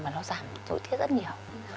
mà nó giảm tối thiết rất nhiều